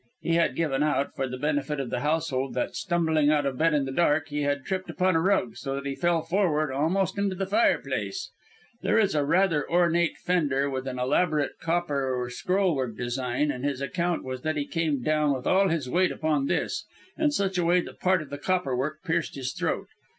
He had given out, for the benefit of the household, that, stumbling out of bed in the dark, he had tripped upon a rug, so that he fell forward almost into the fireplace. There is a rather ornate fender, with an elaborate copper scrollwork design, and his account was that he came down with all his weight upon this, in such a way that part of the copperwork pierced his throat.